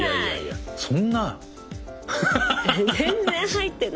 全然入ってない。